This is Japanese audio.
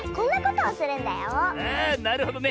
あなるほどね。